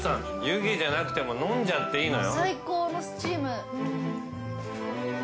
湯気じゃなくて飲んじゃっていいのよ。